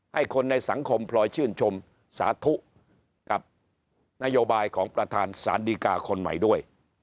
ให้คนในสังคมพลอยชื่นชมสาธุกับนโยบายของประธานสารดีกาคนใหม่ด้วย